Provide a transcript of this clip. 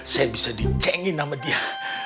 saya bisa dicengin sama dia